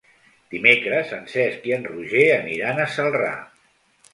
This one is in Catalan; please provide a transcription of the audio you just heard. Dimecres en Cesc i en Roger aniran a Celrà.